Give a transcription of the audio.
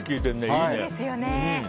いいね。